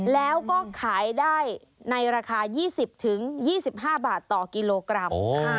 แล้วก็ขายได้ในราคา๒๐๒๕บาทต่อกิโลกรัม